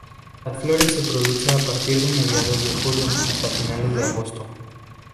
Las flores se produce a partir de mediados de julio hasta finales de agosto.